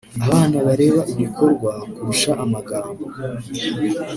abana bareba ibikorwa kurusha amagambo